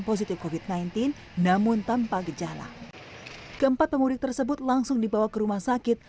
positif covid sembilan belas namun tanpa gejala keempat pemudik tersebut langsung dibawa ke rumah sakit